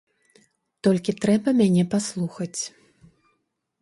Толькі трэба мяне паслухаць.